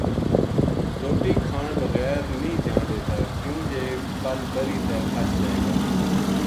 روٹی کھان بغیر نیہہ جان دیتا کیوں جے پل بری تے پھس جائے گا۔